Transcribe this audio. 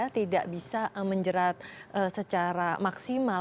tidak bisa menjerat secara maksimal